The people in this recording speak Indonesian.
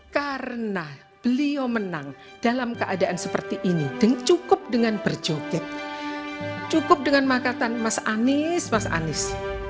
karena beliau menang dalam keadaan seperti ini dan cukup dengan berjoget cukup dengan makatan mas anies mas anies